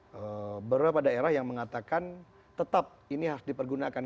beberapa daerah yang mengatakan tetap ini harus dipergunakan